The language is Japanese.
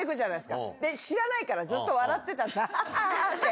知らないからずっと笑ってたアハハって。